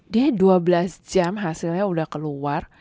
dia dua belas jam hasilnya udah keluar